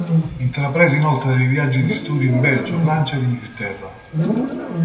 Intraprese inoltre dei viaggi di studio in Belgio, Francia ed Inghilterra.